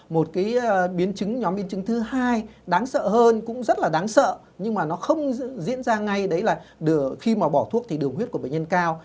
một cái biến chứng nhóm biến chứng thứ hai đáng sợ hơn cũng rất là đáng sợ nhưng mà nó không diễn ra ngay đấy là khi mà bỏ thuốc thì đường huyết của bệnh nhân cao